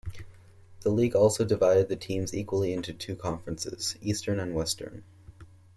The league also divided the teams equally into two conferences - Eastern and Western.